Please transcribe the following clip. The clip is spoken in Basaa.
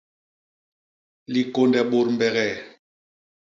Likônde bôt mbegee.